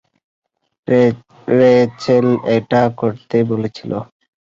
Rachel এটা করতে বলেছিল।